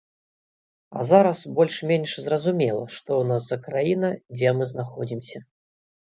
А зараз ужо больш-менш зразумела, што ў нас за краіна, дзе мы знаходзімся.